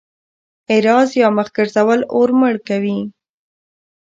اعراض يا مخ ګرځول اور مړ کوي.